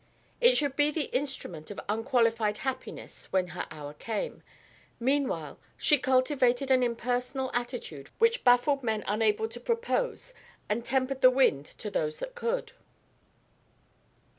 It should be the instrument of unqualified happiness when her hour came; meanwhile she cultivated an impersonal attitude which baffled men unable to propose and tempered the wind to those that could.